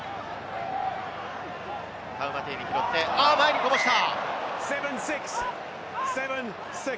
タウマテイネ拾って、前にこぼした。